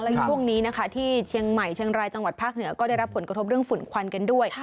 และช่วงนี้นะคะที่เชียงใหม่เชียงรายจังหวัดภาคเหนือก็ได้รับผลกระทบเรื่องฝุ่นควันกันด้วย